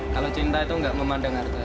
kalau cinta itu nggak memandang harga